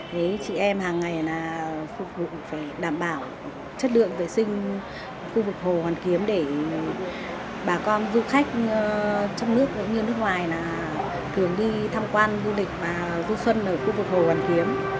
thế chị em hàng ngày là phục vụ phải đảm bảo chất lượng vệ sinh khu vực hồ hoàn kiếm để bà con du khách trong nước cũng như nước ngoài là thường đi tham quan du lịch và du xuân ở khu vực hồ hoàn kiếm